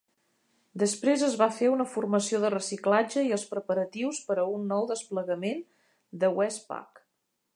Després es va fer una formació de reciclatge i els preparatius per a un nou desplegament de WestPac.